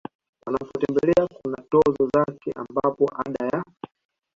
unapotembelea kuna tozo zake ambapo Ada ya